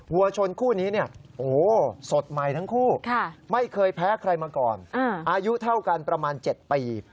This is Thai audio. วัวชนคู่นี้เนี่ยโอ้โหสดใหม่ทั้งคู่ไม่เคยแพ้ใครมาก่อนอายุเท่ากันประมาณ๗ปี